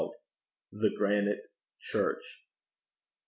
THE GRANITE CHURCH.